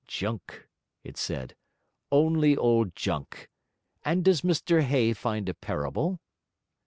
'Junk,', it said, 'only old junk! And does Mr Hay find a parable?'